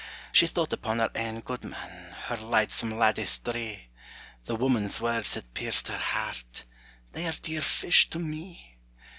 She thought upon her ain guidman, Her lightsome laddies three; The woman's words had pierced her heart, "They are dear fish to me!"